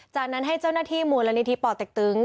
จากนั้นให้เจ้าหน้าที่มูลนิธิป่อเต็กตึง